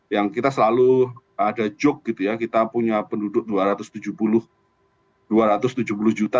yang kita selalu ada joke gitu ya kita punya penduduk dua ratus tujuh puluh juta